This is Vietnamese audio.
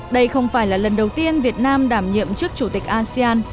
đây không phải là lần đầu tiên việt nam đảm nhiệm trước chủ tịch asean